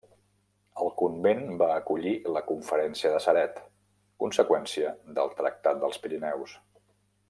El convent va acollir la Conferència de Ceret, conseqüència del Tractat dels Pirineus.